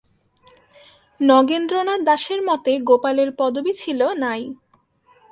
নগেন্দ্রনাথ দাসের মতে গোপালের পদবী ছিল 'নাই'।